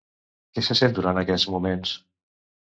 Què se sent durant aquests moments?